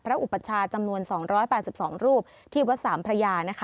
อุปชาจำนวน๒๘๒รูปที่วัดสามพระยานะคะ